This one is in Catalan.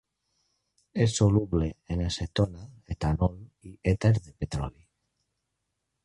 És soluble en acetona, etanol i èter de petroli.